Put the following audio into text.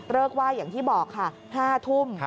ไหว้อย่างที่บอกค่ะ๕ทุ่ม